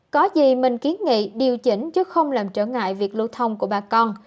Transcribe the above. có gì mình kiến nghị điều chỉnh chứ không làm trở ngại việc lưu thông của bà con